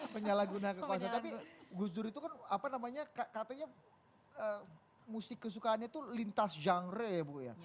penyalahgunaan kekuasaan tapi gus dur itu kan apa namanya katanya musik kesukaannya itu lintas genre ya bu ya